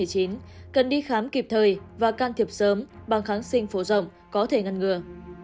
cần đi khám kịp thời và can thiệp sớm bằng kháng sinh phổ rộng có thể ngăn ngừa